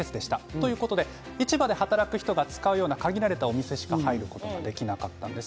ということで市場で働く人が使うような限られた店しか入ることができなかったんです。